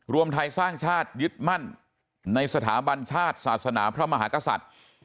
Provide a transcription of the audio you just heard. รวมไทยสร้างชาติยึดมั่นในสถาบันชาติศาสนาพระมหากษัตริย์